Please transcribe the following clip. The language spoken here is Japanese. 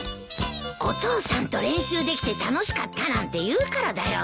お父さんと練習できて楽しかったなんて言うからだよ。